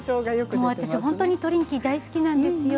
私トリンキー大好きなんですよ。